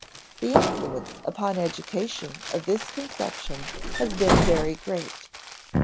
The influence upon education of this conception has been very great.